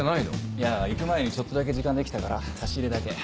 いや行く前にちょっとだけ時間できたから差し入れだけ。